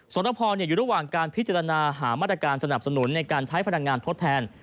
รพอยู่ระหว่างการพิจารณาหามาตรการสนับสนุนในการใช้พลังงานทดแทน